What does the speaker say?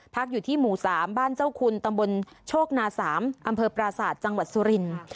พักอยู่ที่หมู่สามบ้านเจ้าคุณตำบลโชคนาสามอำเภอปราสาทจังหวัดสุรินทร์